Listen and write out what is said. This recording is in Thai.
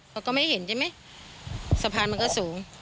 เขาก็ไม่เห็นใช่ไหมสะพานมันก็สูง